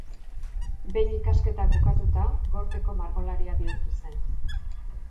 Behin ikasketak bukatuta, gorteko margolaria bihurtu zen.